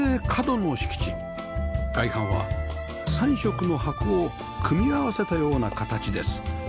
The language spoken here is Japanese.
外観は３色の箱を組み合わせたような形です